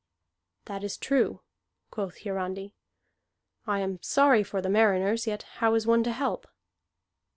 "That is true," quoth Hiarandi. "I am sorry for the mariners, yet how is one to help?"